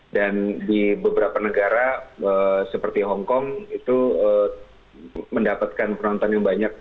dan di beberapa negara seperti hongkong itu mendapatkan penonton yang banyak